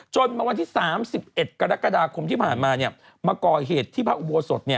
มาวันที่๓๑กรกฎาคมที่ผ่านมามาก่อเหตุที่พระอุโบสถ